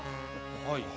はい。